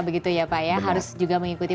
begitu ya pak ya harus juga mengikuti